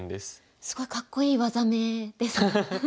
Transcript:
すごいかっこいい技名ですね。